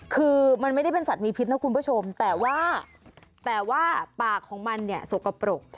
คือมันไม่ได้เป็นสัตว์มีพิษนะคุณผู้ชมแต่ว่าแต่ว่าปากของมันเนี่ยสกปรก